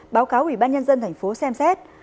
báo cáo ubnd tp xem xét